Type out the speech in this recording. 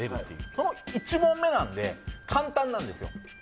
その１問目なので簡単なんですよ。